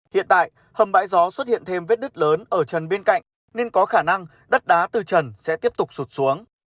hiện tại hầm bãi gió xuất hiện thêm vết đứt lớn ở trần bên cạnh nên có khả năng đất đá từ trần sẽ tiếp tục sụt xuống